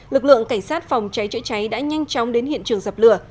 lực lượng cảnh sát phòng cháy chữa cháy đã nhanh chóng đến hiện trường dập lửa